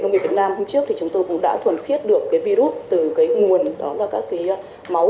nông nghiệp việt nam hôm trước thì chúng tôi cũng đã thuần khiết được virus từ nguồn đó là các máu